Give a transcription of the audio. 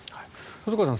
細川さん